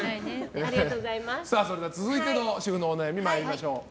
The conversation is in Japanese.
続いての主婦のお悩みまいりましょう。